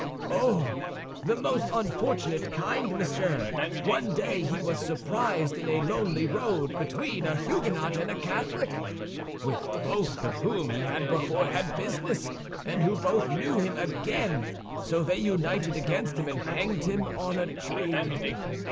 "Oh, of the most unfortunate kind, monsieur. One day he was surprised in a lonely road between a Huguenot and a Catholic, with both of whom he had before had business, and who both knew him again; so they united against him and hanged him on a tree.